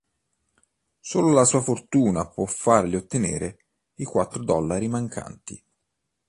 Solo la sua fortuna può fargli ottenere i quattro dollari mancanti.